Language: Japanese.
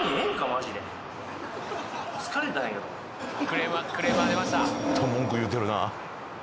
ずっと文句言うてるな